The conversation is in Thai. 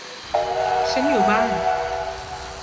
ฉันอยู่บ้าน